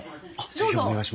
是非お願いします。